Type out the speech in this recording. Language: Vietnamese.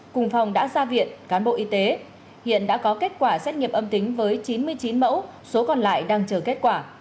cùng phòng đã ra viện cán bộ y tế hiện đã có kết quả xét nghiệm âm tính với chín mươi chín mẫu số còn lại đang chờ kết quả